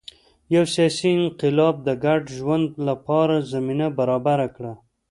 یو سیاسي انقلاب د ګډ ژوند لپاره زمینه برابره کړه.